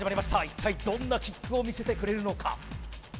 一体どんなキックを見せてくれるのか？